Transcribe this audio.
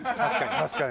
確かに。